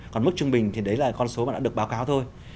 còn mức trung bình thì đấy là con số mà đã được báo cáo thôi